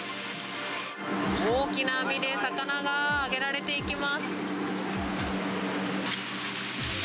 大きな網で魚が揚げられていきます。